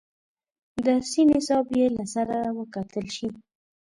درسي نصاب یې له سره وکتل شي.